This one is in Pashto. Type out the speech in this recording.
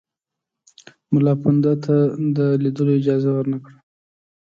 مُلاپوونده ته د لیدلو اجازه ورنه کړه.